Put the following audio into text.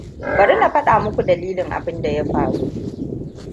Bari na faɗa muku dalilin abinda ya faru.